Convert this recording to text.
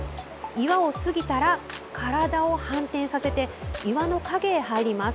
岩を過ぎたら、体を反転させて岩の陰へ入ります。